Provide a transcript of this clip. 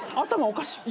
おかしい。